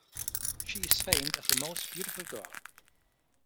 She is famed as the most beautiful girl.